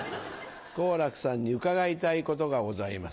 好楽さんに伺いたいことがございます。